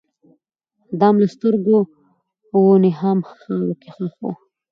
دام له سترګو وو نیهام خاورو کي ښخ وو